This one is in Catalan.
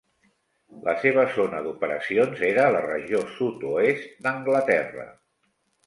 La seva zona d'operacions era la regió sud-oest d'Anglaterra.